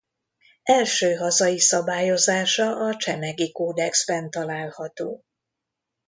Első hazai szabályozása a Csemegi-kódexben található.